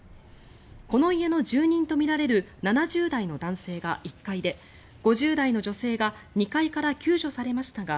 この家の住人とみられる７０代の男性が１階で５０代の女性が２階から救助されましたが